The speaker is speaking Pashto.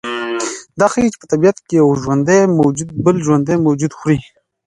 دا ښیي چې په طبیعت کې یو ژوندی موجود بل ژوندی موجود خوري